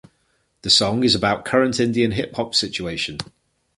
The song is about current Indian hip hop situation.